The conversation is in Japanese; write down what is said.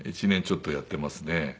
１年ちょっとやってますね。